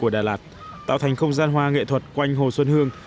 tạo thành không gian hoa nghệ thuật quanh hồ xuân hương